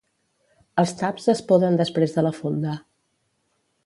Els taps es poden després de la funda.